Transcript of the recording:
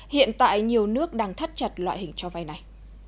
hiện tại nhiều nước đang thắt chặt loại hình cho vay này